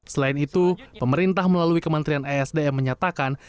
selain itu pemerintah melalui kementerian esdm menyatakan